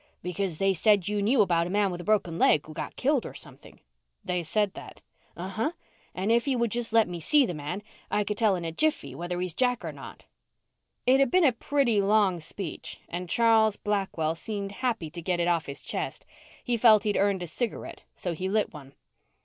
"Because they said you knew about a man with a broken leg who got killed or something." "They said that?" "Uh huh, and if you'd just let me see the man, I could tell in a jiffy whether he's Jack or not." It had been a pretty long speech and Charles Blackwell seemed happy to get it off his chest. He felt he'd earned a cigarette so he lit one.